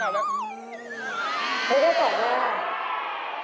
เขาก็ได้ปอบเลยหรือเปล่า